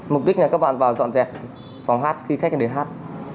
mục đích là các bạn vào dọn dẹp phòng hát khi khách đến hát